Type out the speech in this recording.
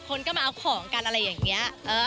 คนก็มาเอาของกันอะไรอย่างนี้